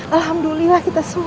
alhamdulillah kita semua